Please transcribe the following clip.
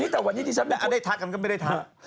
แต่วันนี้ที่ฉันได้ทักกันก็ไม่ได้ทัก